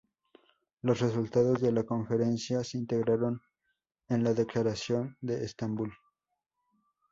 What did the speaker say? Los resultados de la conferencia se integraron en la Declaración de Estambul.